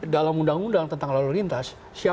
dalam undang undang tentang lalu lintas